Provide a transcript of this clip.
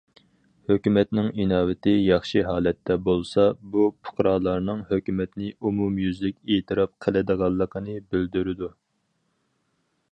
ھۆكۈمەتنىڭ ئىناۋىتى ياخشى ھالەتتە بولسا، بۇ پۇقرالارنىڭ ھۆكۈمەتنى ئومۇميۈزلۈك ئېتىراپ قىلىدىغانلىقىنى بىلدۈرىدۇ.